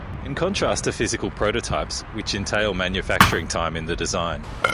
In contrast to physical prototypes, which entail manufacturing time in the design.